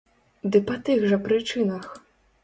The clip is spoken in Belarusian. Ды па тых жа прычынах.